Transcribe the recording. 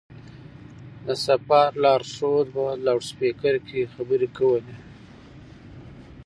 د سفر لارښود په لوډسپېکر کې خبرې کولې.